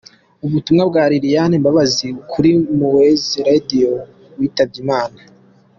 Ubutumwa bwa Lilian Mbabazi kuri Mowzey Radio witabye Imana.